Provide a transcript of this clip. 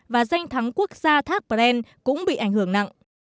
và danh thắng quốc gia thác bren cũng bị ảnh hưởng nặng